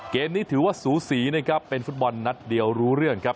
เกมนี้ถือว่าสูสีนะครับเป็นฟุตบอลนัดเดียวรู้เรื่องครับ